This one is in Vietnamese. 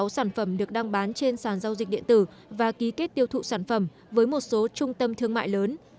sáu mươi sản phẩm được đăng bán trên sàn giao dịch điện tử và ký kết tiêu thụ sản phẩm với một số trung tâm thương mại lớn